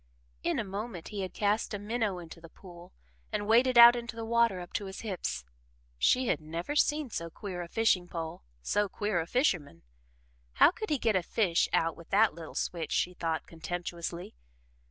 In a moment he had cast a minnow into the pool and waded out into the water up to his hips. She had never seen so queer a fishing pole so queer a fisherman. How could he get a fish out with that little switch, she thought contemptuously?